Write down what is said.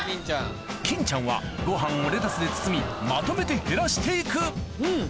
金ちゃんはご飯をレタスで包みまとめて減らして行くうん！